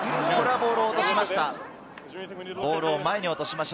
ボールを前に落としました。